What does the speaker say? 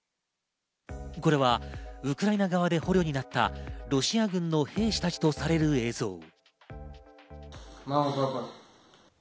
これはウクライナ側で捕虜になったロシア軍の兵士たちとされる映像。